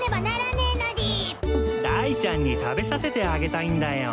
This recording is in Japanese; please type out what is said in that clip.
ダイちゃんに食べさせてあげたいんだよ。